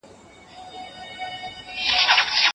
دورکهایم ټولنیز واقعیت ته ځانګړی نظر لري.